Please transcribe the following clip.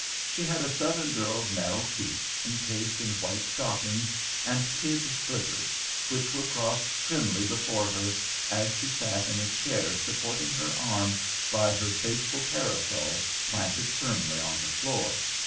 She had a Southern girl's narrow feet, encased in white stockings and kid slippers, which were crossed primly before her as she sat in a chair, supporting her arm by her faithful parasol planted firmly on the floor.